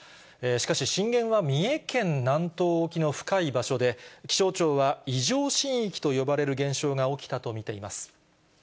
しかし、震源は三重県南東沖の深い場所で、気象庁は、異常震域と呼ばれる現象が起きたと見ています。